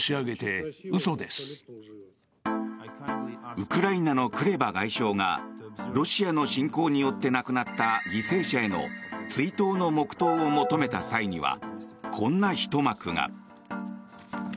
ウクライナのクレバ外相がロシアの侵攻によって亡くなった犠牲者への追悼の黙祷を求めた際にはこんなひと幕が。